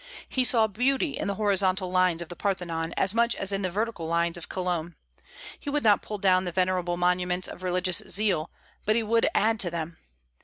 He saw beauty in the horizontal lines of the Parthenon, as much as in the vertical lines of Cologne. He would not pull down the venerable monuments of religious zeal, but he would add to them.